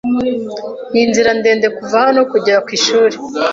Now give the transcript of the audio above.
Ninzira ndende kuva hano kugera kwishuri.